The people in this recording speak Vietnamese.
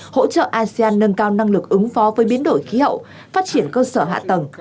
hỗ trợ asean nâng cao năng lực ứng phó với biến đổi khí hậu phát triển cơ sở hạ tầng